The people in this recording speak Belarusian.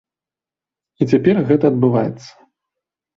І цяпер гэта адбываецца.